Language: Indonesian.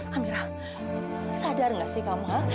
amirah sadar gak sih kamu